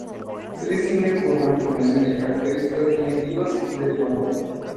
Se distingue por una combinación de características primitivas y derivadas.